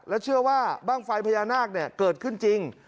เชื่อว่าบ้างไฟพญานาคเกิดขึ้นจริง